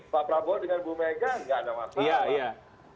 pak prabowo dengan bu megan gak ada masalah